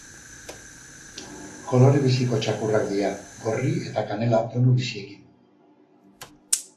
Kolore biziko txakurrak dira, gorri eta kanela tonu biziekin.